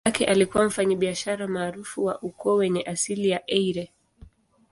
Baba yake alikuwa mfanyabiashara maarufu wa ukoo wenye asili ya Eire.